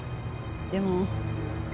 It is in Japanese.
でも。